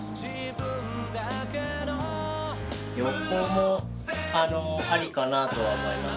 横もあのありかなとは思います。